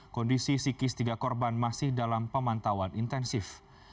kondisi psikis tiga korban masih dalam pemantauan intensif